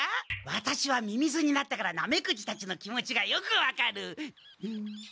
ワタシはミミズになったからナメクジたちの気持ちがよく分かる。